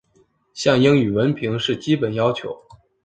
像英语文凭是基本要求。